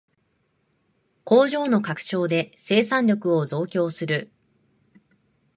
工場の拡張で生産力を増強する